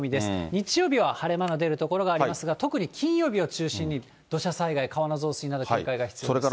日曜日は晴れ間の出る所がありますが、特に金曜日を中心に土砂災害、川の増水など、警戒が必要です。